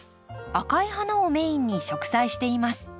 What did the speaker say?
赤い花をメインに植栽しています。